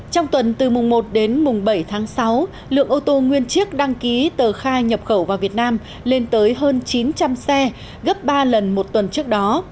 trong tuần từ mùng một đến mùng bảy tháng sáu lượng ô tô nguyên chiếc đăng ký tờ khai nhập khẩu vào việt nam lên tới hơn chín trăm linh xe gấp ba lần một tuần trước đó